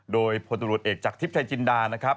โดยพลตำรวจเอกจากทริปไทยจินดานะครับ